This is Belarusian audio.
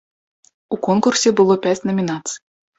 У конкурсе было пяць намінацый.